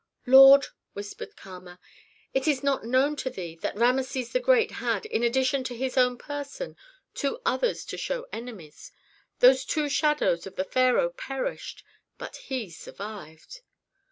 "Lord!" whispered Kama, "is it not known to thee that Rameses the Great had, in addition to his own person, two others to show enemies? Those two shadows of the pharaoh perished, but he survived."